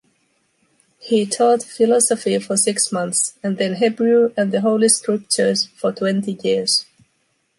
He taught philosophy for six months, and then Hebrew and the holy scriptures for twenty years.